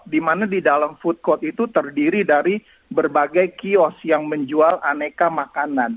dimana di dalam food court itu terdiri dari berbagai kios yang menjual aneka makanan